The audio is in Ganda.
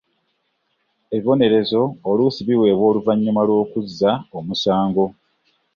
Ebibonerezo oluusi biwebwa oluvanyumma lw'okuzza omusango .